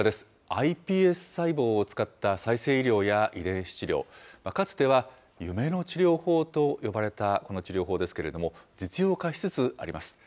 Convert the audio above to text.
ｉＰＳ細胞を使った再生医療や遺伝子治療、かつては夢の治療法と呼ばれたこの治療法ですけれども、実用化しつつあります。